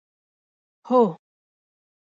هوه